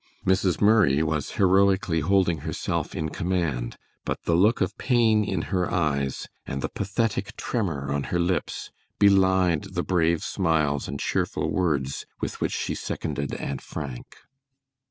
Mrs. Murray was heroically holding herself in command, but the look of pain in her eyes and the pathetic tremor on her lips belied the brave smiles and cheerful words with which she seconded Aunt Frank.